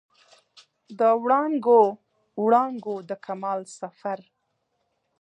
د وړانګو، وړانګو د کمال سفر